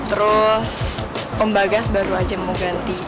terus ombak gas baru aja mau ganti